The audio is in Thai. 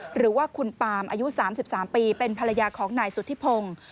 หรือว่าคุณปามอายุ๓๓ปีเป็นภรรยาของนายสุธิพงศ์